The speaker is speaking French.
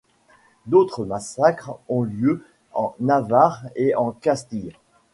D'autres massacres ont lieu en Navarre et en Castille.